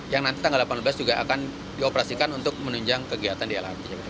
yang nanti tanggal delapan belas juga akan dioperasikan untuk menunjang kegiatan di lrt